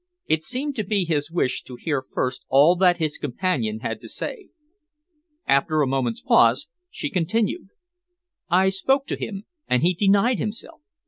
It seemed to be his wish to hear first all that his companion had to say. After a moment's pause she continued: "I spoke to him, and he denied himself.